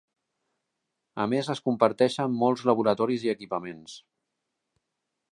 A més es comparteixen molts laboratoris i equipaments.